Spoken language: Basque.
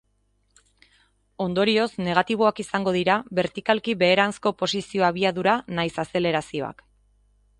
Ondorioz, negatiboak izango dira bertikalki beheranzko posizio abiadura nahiz azelerazioak.